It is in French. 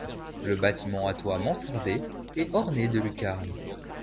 Le bâtiment à toit mansardé est orné de lucarnes.